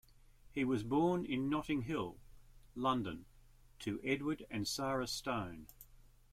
He was born in Notting Hill, London to Edward and Sarah Stone.